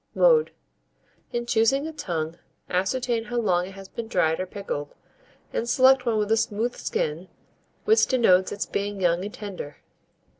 Mode. In choosing a tongue, ascertain how long it has been dried or pickled, and select one with a smooth skin, which denotes its being young and tender.